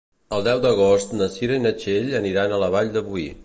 El deu d'agost na Cira i na Txell aniran a la Vall de Boí.